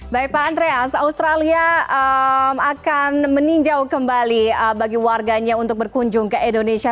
baik pak andreas australia akan meninjau kembali bagi warganya untuk berkunjung ke indonesia